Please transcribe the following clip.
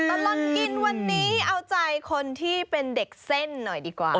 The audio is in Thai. ตลอดกินวันนี้เอาใจคนที่เป็นเด็กเส้นหน่อยดีกว่า